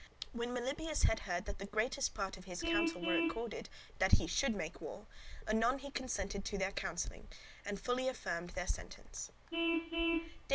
When Melibœus had heard that the greatest part of his council were accorded [in agreement] that he should make war, anon he consented to their counselling, and fully affirmed their sentence [opinion, judgement].